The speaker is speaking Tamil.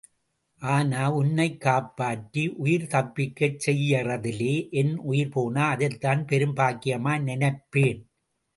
ஆனா, உன்னைக் காப்பாற்றி உயிர் தப்பிக்கச் செய்யறதிலே என் உயிர் போனா, அதைத்தான் பெரும் பாக்கியமாய் நினைப்பேன்.